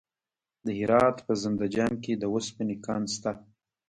د هرات په زنده جان کې د وسپنې کان شته.